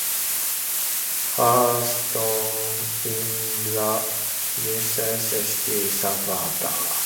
Hartson is a lifelong Swansea City supporter.